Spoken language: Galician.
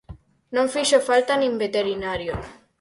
Non fixo falta nin veterinario.